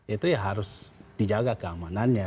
itu ya harus dijaga keamanannya